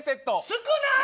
少ない！